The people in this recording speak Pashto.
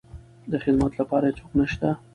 د خدمت لپاره يې څوک نشته.